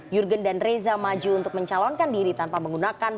jurgen dan reza maju untuk mencalonkan diri tanpa menggunakan